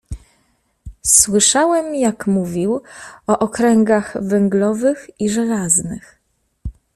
"Słyszałem jak mówił o okręgach węglowych i żelaznych."